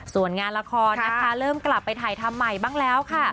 ส่วนงานละครนะคะเริ่มกลับไปถ่ายทำใหม่บ้างแล้วค่ะ